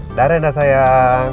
dadah rena sayang